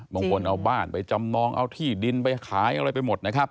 บางคนเอาบ้านไปจำนองเอาที่ดินไปขายอะไรไปหมดนะครับ